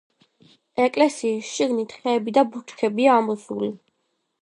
ეკლესიის შიგნით ხეები და ბუჩქებია ამოსული.